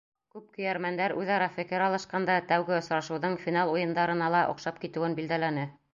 Күп көйәрмәндәр үҙ-ара фекер алышҡанда тәүге осрашыуҙың финал уйындарына ла оҡшап китеүен билдәләне.